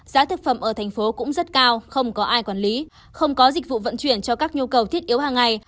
giá thực phẩm ở thành phố cũng rất cao không có ai quản lý không có dịch vụ vận chuyển cho các nhu cầu thiết yếu hàng ngày